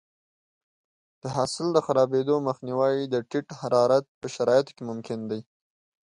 د حاصل د خرابېدو مخنیوی د ټیټ حرارت په شرایطو کې ممکن دی.